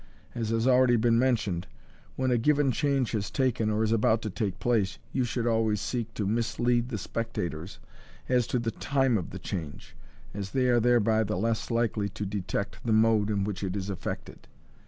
As has been already mentioned, when a given change has taken or is about to take place, you should always seek to mislead the spectators as to the time of the change, as they are thereby the less likely to detect the mode in which it is effected.